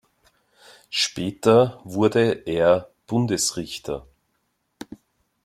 Später wurde er Bundesrichter.